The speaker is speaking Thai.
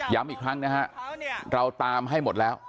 อีกครั้งนะฮะเราตามให้หมดแล้ว